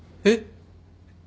えっ？